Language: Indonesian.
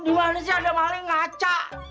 di mana sih ada malik ngaca